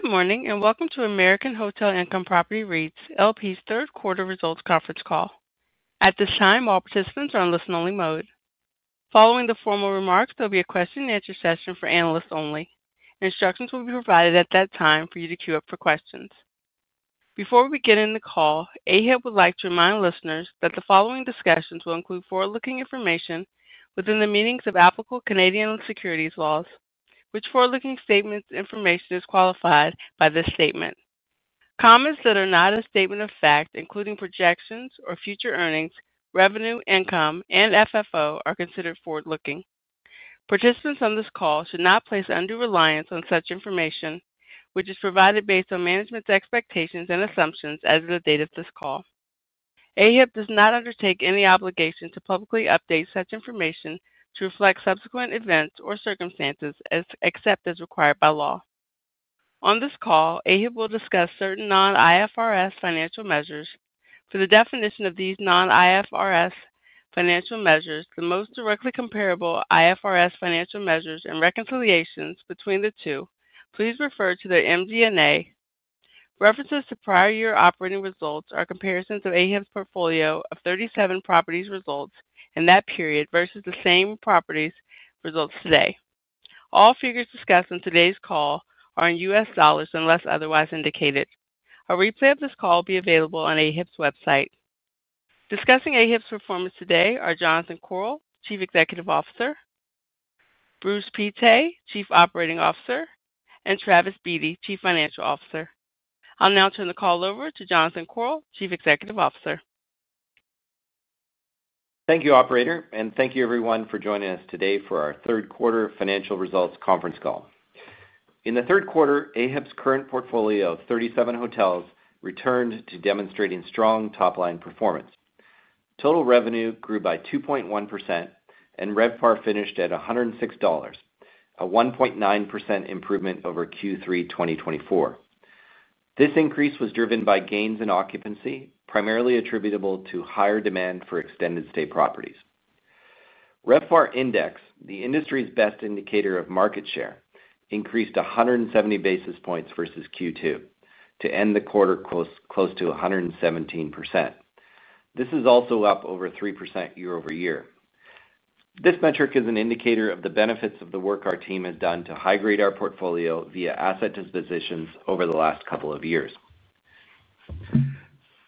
Good morning and welcome to American Hotel Income Properties REIT LP's Third Quarter Results Conference Call. At this time, all participants are on listen-only mode. Following the formal remarks, there will be a question-and-answer session for analysts only. Instructions will be provided at that time for you to queue up for questions. Before we begin the call, AHIP would like to remind listeners that the following discussions will include forward-looking information within the meanings of applicable Canadian and securities laws. Which forward-looking statements' information is qualified by this statement. Comments that are not a statement of fact, including projections or future earnings, revenue, income, and FFO, are considered forward-looking. Participants on this call should not place any reliance on such information, which is provided based on management's expectations and assumptions as of the date of this call. AHIP does not undertake any obligation to publicly update such information to reflect subsequent events or circumstances except as required by law. On this call, AHIP will discuss certain non-IFRS financial measures. For the definition of these non-IFRS financial measures, the most directly comparable IFRS financial measures and reconciliations between the two, please refer to the MD&A. References to prior year operating results are comparisons of AHIP's portfolio of 37 properties' results in that period versus the same properties' results today. All figures discussed on today's call are in US dollars unless otherwise indicated. A replay of this call will be available on AHIP's website. Discussing AHIP's performance today are Jonathan Korol, Chief Executive Officer, Bruce Pittet, Chief Operating Officer, and Travis Beatty, Chief Financial Officer. I'll now turn the call over to Jonathan Korol, Chief Executive Officer. Thank you, Operator, and thank you, everyone, for joining us today for our third quarter financial results conference call. In the third quarter, AHIP's current portfolio of 37 hotels returned to demonstrating strong top-line performance. Total revenue grew by 2.1%, and RevPAR finished at $106, a 1.9% improvement over Q3 2024. This increase was driven by gains in occupancy, primarily attributable to higher demand for extended stay properties. RevPAR Index, the industry's best indicator of market share, increased 170 basis points versus Q2 to end the quarter close to 117%. This is also up over 3% year over year. This metric is an indicator of the benefits of the work our team has done to high-grade our portfolio via asset dispositions over the last couple of years.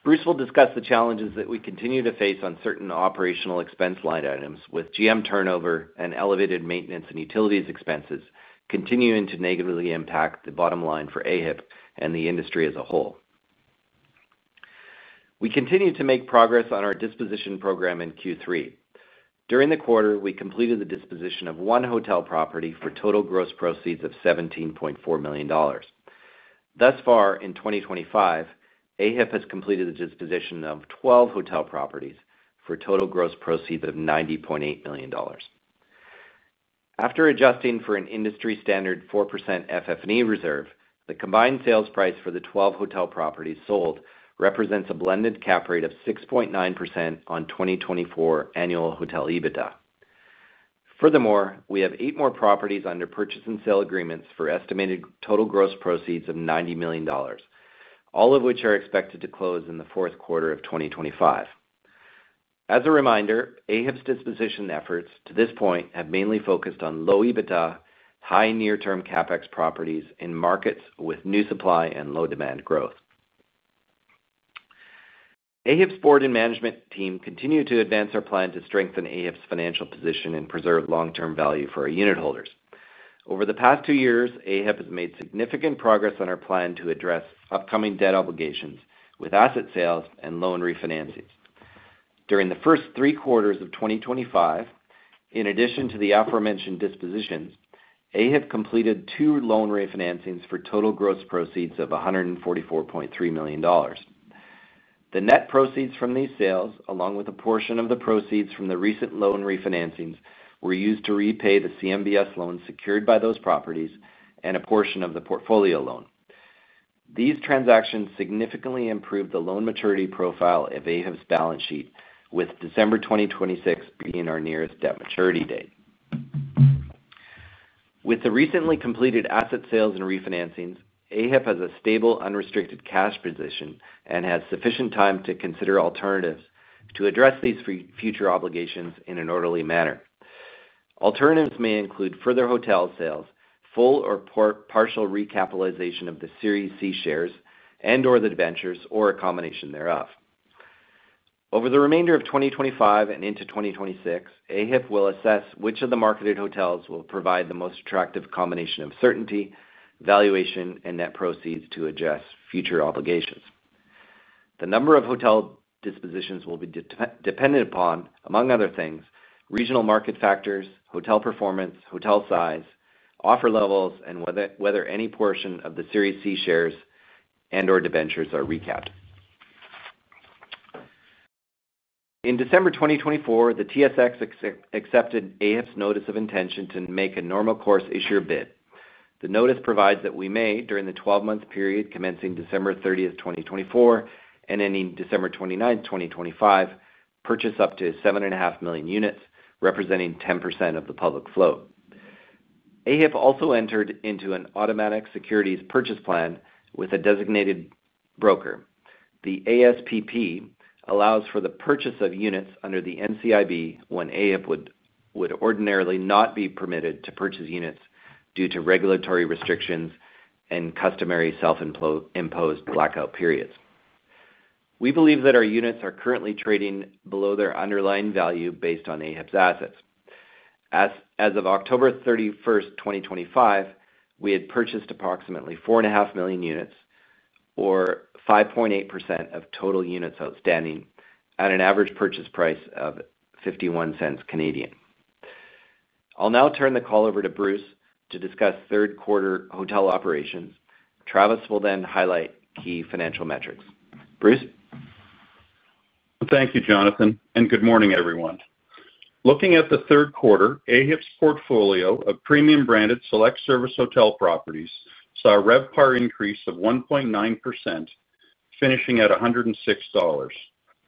Bruce will discuss the challenges that we continue to face on certain operational expense line items with GM turnover and elevated maintenance and utilities expenses continuing to negatively impact the bottom line for AHIP and the industry as a whole. We continue to make progress on our disposition program in Q3. During the quarter, we completed the disposition of one hotel property for total gross proceeds of $17.4 million. Thus far, in 2024, AHIP has completed the disposition of 12 hotel properties for total gross proceeds of $90.8 million. After adjusting for an industry-standard 4% FF&E reserve, the combined sales price for the 12 hotel properties sold represents a blended cap rate of 6.9% on 2024 annual hotel EBITDA. Furthermore, we have eight more properties under purchase and sale agreements for estimated total gross proceeds of $90 million, all of which are expected to close in the fourth quarter of 2025. As a reminder, AHIP's disposition efforts to this point have mainly focused on low EBITDA, high near-term CapEx properties, and markets with new supply and low demand growth. AHIP's board and management team continue to advance our plan to strengthen AHIP's financial position and preserve long-term value for our unit holders. Over the past two years, AHIP has made significant progress on our plan to address upcoming debt obligations with asset sales and loan refinancings. During the first three quarters of 2025, in addition to the aforementioned dispositions, AHIP completed two loan refinancings for total gross proceeds of $144.3 million. The net proceeds from these sales, along with a portion of the proceeds from the recent loan refinancings, were used to repay the CMBS loans secured by those properties and a portion of the portfolio loan. These transactions significantly improved the loan maturity profile of AHIP's balance sheet, with December 2026 being our nearest debt maturity date. With the recently completed asset sales and refinancings, AHIP has a stable, unrestricted cash position and has sufficient time to consider alternatives to address these future obligations in an orderly manner. Alternatives may include further hotel sales, full or partial recapitalization of the Series C shares, and/or the ventures or a combination thereof. Over the remainder of 2025 and into 2026, AHIP will assess which of the marketed hotels will provide the most attractive combination of certainty, valuation, and net proceeds to address future obligations. The number of hotel dispositions will be dependent upon, among other things, regional market factors, hotel performance, hotel size, offer levels, and whether any portion of the Series C shares and/or the ventures are recapped. In December 2024, the TSX accepted AHIP's notice of intention to make a normal course issuer bid. The notice provides that we may, during the 12-month period commencing December 30, 2024, and ending December 29, 2025, purchase up to 7.5 million units, representing 10% of the public float. AHIP also entered into an automatic securities purchase plan with a designated broker. The ASPP allows for the purchase of units under the NCIB when AHIP would ordinarily not be permitted to purchase units due to regulatory restrictions and customary self-imposed blackout periods. We believe that our units are currently trading below their underlying value based on AHIP's assets. As of October 31, 2025, we had purchased approximately 4.5 million units, or 5.8% of total units outstanding, at an average purchase price of 0.51. I'll now turn the call over to Bruce to discuss third quarter hotel operations. Travis will then highlight key financial metrics. Bruce? Thank you, Jonathan, and good morning, everyone. Looking at the third quarter, AHIP's portfolio of premium-branded select service hotel properties saw a RevPAR increase of 1.9%, finishing at $106.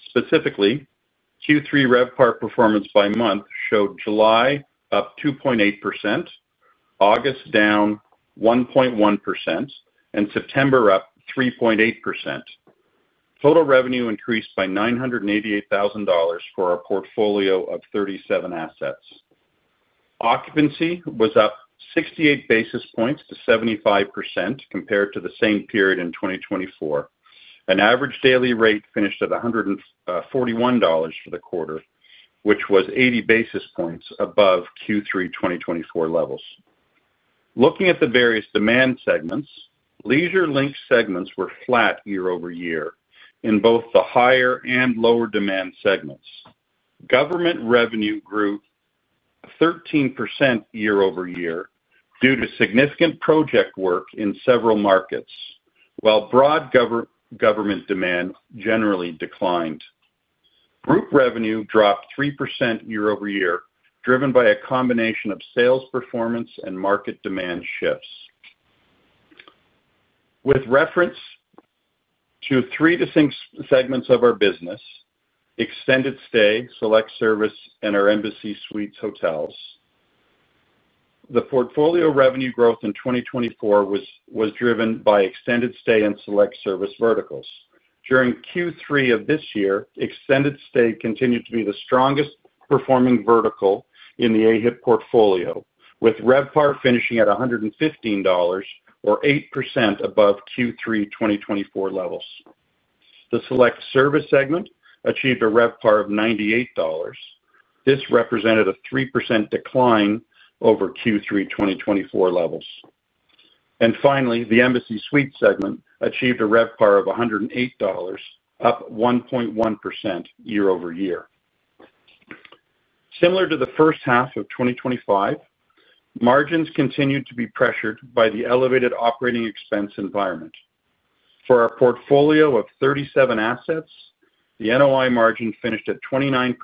Specifically, Q3 RevPAR performance by month showed July up 2.8%, August down 1.1%, and September up 3.8%. Total revenue increased by $988,000 for our portfolio of 37 assets. Occupancy was up 68 basis points to 75% compared to the same period in 2024. An average daily rate finished at $141 for the quarter, which was 80 basis points above Q3 2024 levels. Looking at the various demand segments, leisure-linked segments were flat year over year in both the higher and lower demand segments. Government revenue grew 13% year over year due to significant project work in several markets, while broad government demand generally declined. Group revenue dropped 3% year over year, driven by a combination of sales performance and market demand shifts. With reference to three distinct segments of our business, extended stay, select service, and our Embassy Suites hotels, the portfolio revenue growth in 2024 was driven by extended stay and select service verticals. During Q3 of this year, extended stay continued to be the strongest performing vertical in the AHIP portfolio, with RevPAR finishing at $115, or 8% above Q3 2024 levels. The select service segment achieved a RevPAR of $98. This represented a 3% decline over Q3 2024 levels. Finally, the Embassy Suites segment achieved a RevPAR of $108, up 1.1% year over year. Similar to the first half of 2025, margins continued to be pressured by the elevated operating expense environment. For our portfolio of 37 assets, the NOI margin finished at 29%,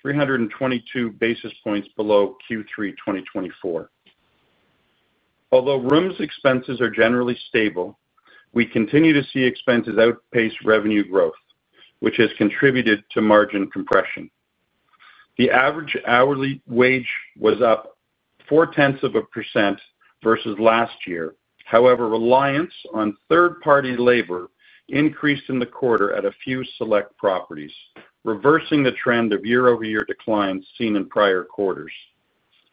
322 basis points below Q3 2024. Although rooms expenses are generally stable, we continue to see expenses outpace revenue growth, which has contributed to margin compression. The average hourly wage was up 0.4% versus last year. However, reliance on third-party labor increased in the quarter at a few select properties, reversing the trend of year-over-year declines seen in prior quarters.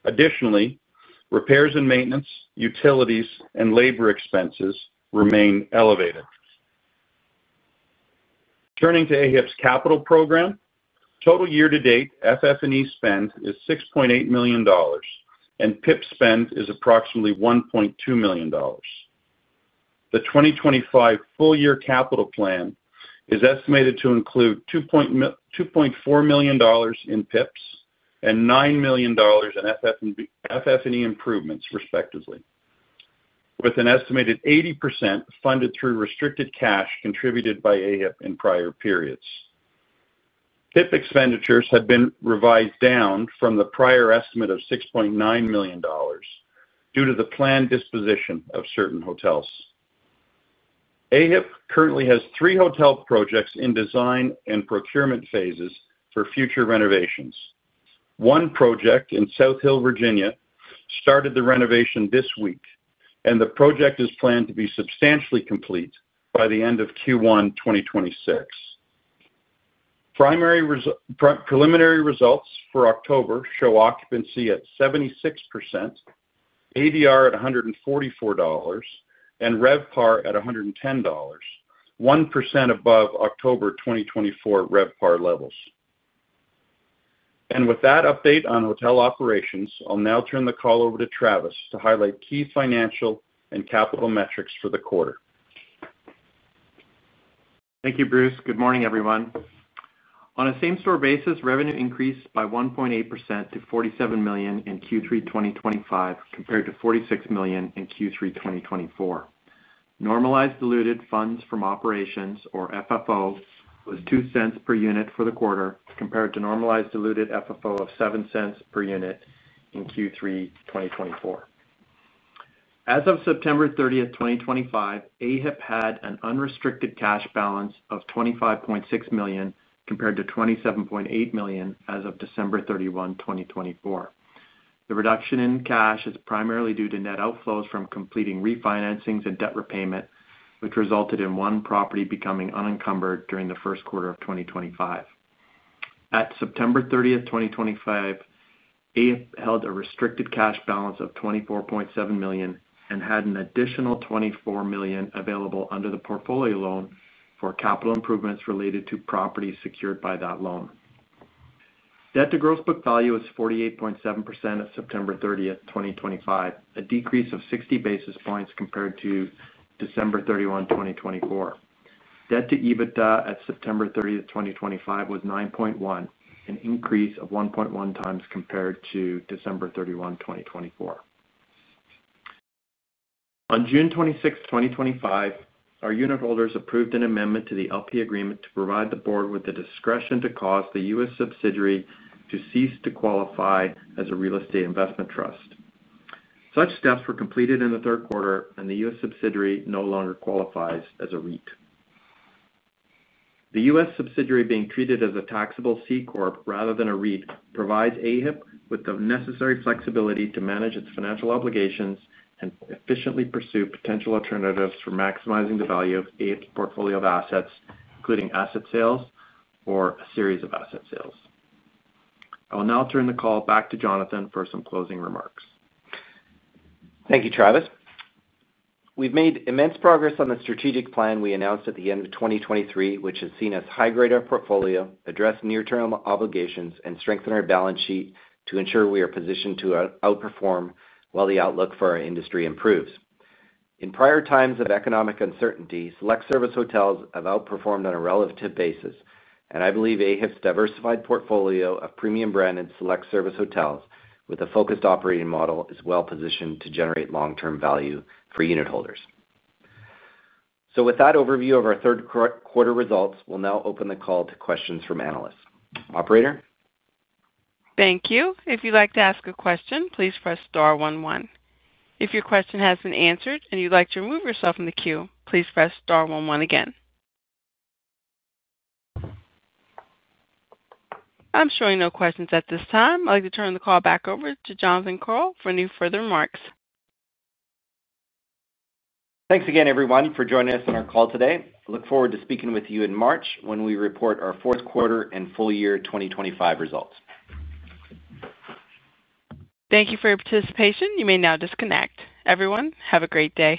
Additionally, repairs and maintenance, utilities, and labor expenses remain elevated. Turning to AHIP's capital program, total year-to-date FF&E spend is $6.8 million, and PIP spend is approximately $1.2 million. The 2025 full-year capital plan is estimated to include $2.4 million in PIPs and $9 million in FF&E improvements, respectively, with an estimated 80% funded through restricted cash contributed by AHIP in prior periods. PIP expenditures have been revised down from the prior estimate of $6.9 million due to the planned disposition of certain hotels. AHIP currently has three hotel projects in design and procurement phases for future renovations. One project in South Hill, Virginia, started the renovation this week, and the project is planned to be substantially complete by the end of Q1 2026. Preliminary results for October show occupancy at 76%, ADR at $144, and RevPAR at $110, 1% above October 2024 RevPAR levels. With that update on hotel operations, I'll now turn the call over to Travis to highlight key financial and capital metrics for the quarter. Thank you, Bruce. Good morning, everyone. On a same-store basis, revenue increased by 1.8% to $47 million in Q3 2025 compared to $46 million in Q3 2024. Normalized diluted funds from operations, or FFO, was $0.02 per unit for the quarter compared to normalized diluted FFO of $0.07 per unit in Q3 2024. As of September 30, 2025, AHIP had an unrestricted cash balance of $25.6 million compared to $27.8 million as of December 31, 2024. The reduction in cash is primarily due to net outflows from completing refinancings and debt repayment, which resulted in one property becoming unencumbered during the first quarter of 2025. At September 30, 2025, AHIP held a restricted cash balance of $24.7 million and had an additional $24 million available under the portfolio loan for capital improvements related to properties secured by that loan. Debt to gross book value was 48.7% at September 30, 2025, a decrease of 60 basis points compared to December 31, 2024. Debt to EBITDA at September 30, 2025, was 9.1, an increase of 1.1 times compared to December 31, 2024. On June 26, 2025, our unitholders approved an amendment to the LP Agreement to provide the board with the discretion to cause the U.S. subsidiary to cease to qualify as a real estate investment trust. Such steps were completed in the third quarter, and the U.S. subsidiary no longer qualifies as a REIT. The U.S. subsidiary being treated as a taxable C Corp rather than a REIT provides AHIP with the necessary flexibility to manage its financial obligations and efficiently pursue potential alternatives for maximizing the value of AHIP's portfolio of assets, including asset sales or a series of asset sales. I will now turn the call back to Jonathan for some closing remarks. Thank you, Travis. We've made immense progress on the strategic plan we announced at the end of 2023, which has seen us high-grade our portfolio, address near-term obligations, and strengthen our balance sheet to ensure we are positioned to outperform while the outlook for our industry improves. In prior times of economic uncertainty, select service hotels have outperformed on a relative basis, and I believe AHIP's diversified portfolio of premium-branded select service hotels with a focused operating model is well-positioned to generate long-term value for unit holders. With that overview of our third quarter results, we'll now open the call to questions from analysts. Operator? Thank you. If you'd like to ask a question, please press star one one. If your question hasn't been answered and you'd like to remove yourself from the queue, please press star one one again. I'm showing no questions at this time. I'd like to turn the call back over to Jonathan Korol for any further remarks. Thanks again, everyone, for joining us on our call today. Look forward to speaking with you in March when we report our fourth quarter and full-year 2024 results. Thank you for your participation. You may now disconnect. Everyone, have a great day.